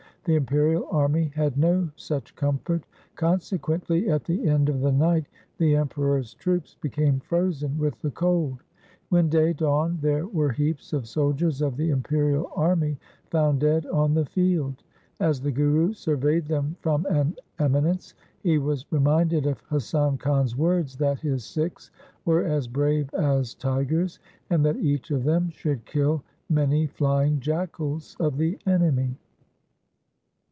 The imperial army had no such comfort. Consequently at the end of the night the Emperor's troops became frozen with the cold. When day dawned, there were heaps of soldiers of the imperial army found dead on the field. As the Guru surveyed them from an emi nence, he was reminded of Hasan Khan's words that his Sikhs were as brave as tigers, and that each of them should kill many flying jackals of the enemy.